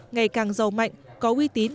ngày càng giàu mạnh có uy tín